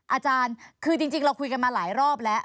อาจารย์คือจริงเราคุยกันมาหลายรอบแล้ว